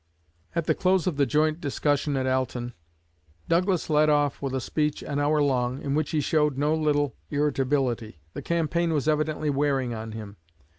At the close of the joint discussion at Alton, Douglas led off with a speech an hour long, in which he showed no little irritability. The campaign was evidently wearing on him.